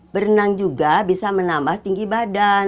berenang juga bisa menambah tinggi badan